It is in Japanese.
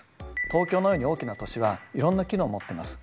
東京のように大きな都市はいろんな機能を持っています。